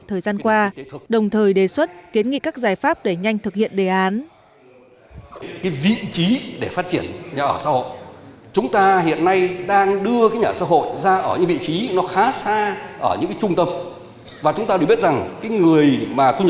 thời gian qua đồng thời đề xuất kiến nghị các giải pháp để nhanh thực hiện đề án